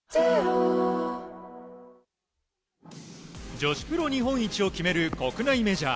女子プロ日本一を決める国内メジャー。